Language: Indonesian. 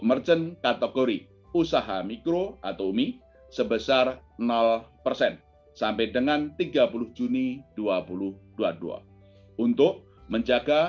merchant kategori usaha mikro atau umi sebesar persen sampai dengan tiga puluh juni dua ribu dua puluh dua untuk menjaga